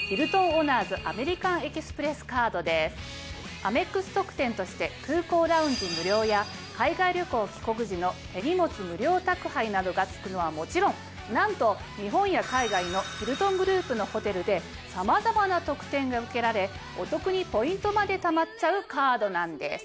アメックス特典として空港ラウンジ無料や海外旅行帰国時の手荷物無料宅配などが付くのはもちろんなんと日本や海外のヒルトングループのホテルでさまざまな特典が受けられお得にポイントまでたまっちゃうカードなんです。